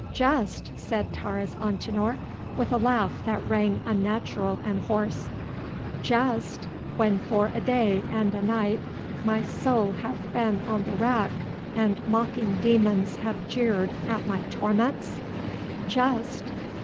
"Jest?" said Taurus Antinor, with a laugh that rang unnatural and hoarse. "Jest! when for a day and a night my soul hath been on the rack and mocking demons have jeered at my torments? Jest!